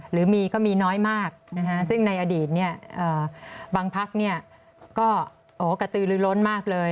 หรือมีก็มีน้อยมากซึ่งในอดีตบางพักก็กระตือลือล้นมากเลย